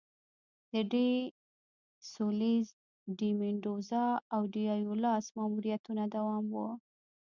د ډي سولیز، ډي میندوزا او ډي ایولاس ماموریتونه دوام و.